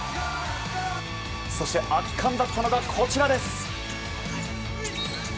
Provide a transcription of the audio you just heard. そして圧巻だったのがこちらです。